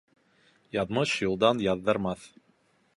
Яҙмыш юлдан яҙҙырмаҫ.